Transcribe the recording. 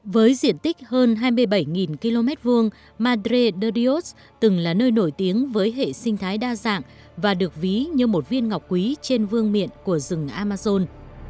với diện tích hơn hai mươi bảy km hai madre deios từng là nơi nổi tiếng với hệ sinh thái đa dạng và được ví như một viên ngọc quý trên vương miện của rừng amazon